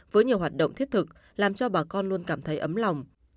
với nhiều hoạt động thiết thực làm cho bà con luôn cảm thấy ấm lòng